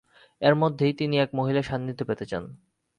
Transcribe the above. এর মধ্যেই তিনি এক মহিলার সান্নিধ্য পেতে চান।